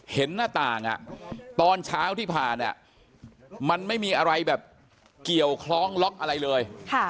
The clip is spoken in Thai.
เห็นหน้าต่างตอนเช้าที่ผ่านมันไม่มีอะไรแบบเกี่ยวข้องล็อกอะไรเลย